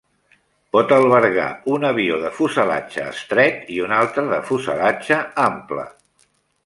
Pot albergar un avió de fuselatge estret i un altre de fuselatge ample.